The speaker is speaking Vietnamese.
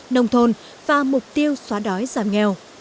nông thôn và mục tiêu xóa đói giảm nghèo